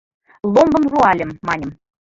«Ломбым руальым» маньым, -